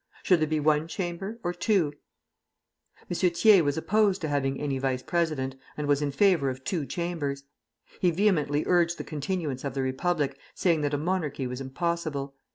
Should there be one Chamber, or two? M. Thiers was opposed to having any vice president, and was in favor of two Chambers. He vehemently urged the continuance of the Republic, saying that a monarchy was impossible.